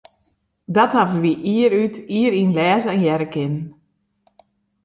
Dat hawwe wy jier út, jier yn lêze en hearre kinnen.